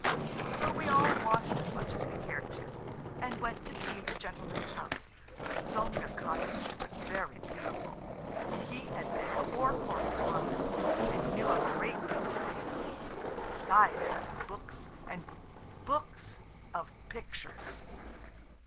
So we all washed as much as we cared to, and went to tea at the gentleman's house, which was only a cottage, but very beautiful. He had been a war correspondent, and he knew a great many things, besides having books and books of pictures.